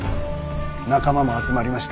仲間も集まりました。